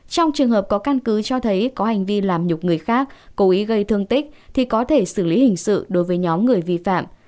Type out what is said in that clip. trong trường hợp có căn cứ cho thấy có hành vi làm nhục người khác cố ý gây thương tích thì có thể xử lý hình sự đối với nhóm người vi phạm